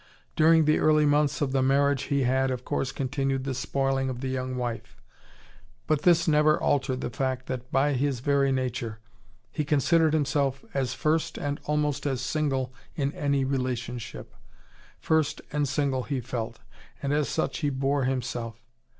During the early months of the marriage he had, of course, continued the spoiling of the young wife. But this never altered the fact that, by his very nature, he considered himself as first and almost as single in any relationship. First and single he felt, and as such he bore himself.